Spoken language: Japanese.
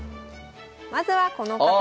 まずはこの方。